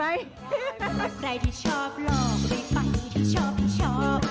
ใครที่ชอบหลอกเลยไปที่ชอบที่ชอบ